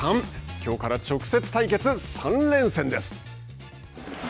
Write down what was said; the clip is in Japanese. きょうから直接対決３連戦です。